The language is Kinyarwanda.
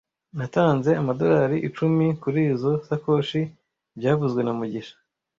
Natanze amadorari icumi kurizoi sakoshi byavuzwe na mugisha